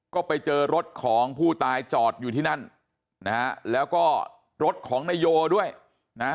ก็ไปเจอรถของผู้ตายจอดอยู่ที่นั่นนะฮะแล้วก็รถของนายโยด้วยนะฮะ